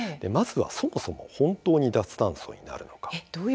そもそも本当に脱炭素になるのか。